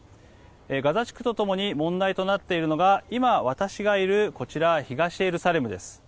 ガザ地区とともに問題となっているのが今、私がいる東エルサレムです。